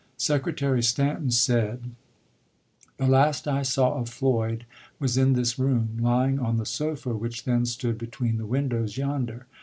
Secretary Stanton said : The last I saw of Floyd was in this room, lying on the sofa which then stood between the windows yonder.